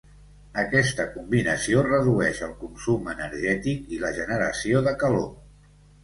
Aquesta combinació redueix el consum energètic i la generació de calor.